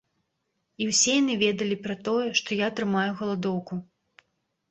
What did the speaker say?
І ўсе яны ведалі пра тое, што я трымаю галадоўку.